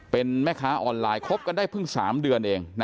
เป็นแม่ค้าออนไลน์คบกันได้เพิ่ง๓เดือนเอง